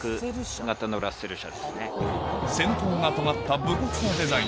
先頭がとがった武骨なデザイン